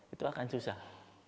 itu akan susah